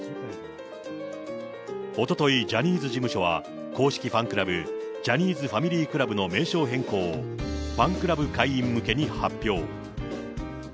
おととい、ジャニーズ事務所は公式ファンクラブ、ジャニーズファミリークラブの名称変更を、ファンクラブ会員向けに発表。